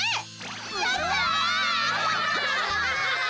やった！